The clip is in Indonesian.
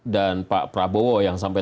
pak prabowo yang sampai